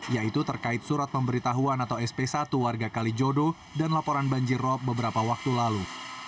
yaitu terkait surat pemberitahuan atau sp satu warga kalijodo dan laporan banjir rob beberapa waktu lalu